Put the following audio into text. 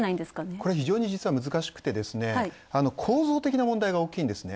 これ非常に難しくて、構造的な問題が大きいんですね。